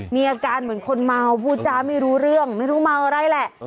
มีอาการเหมือนคนเมาพูดจ้าไม่รู้เรื่องไม่รู้เมาอะไรแหละ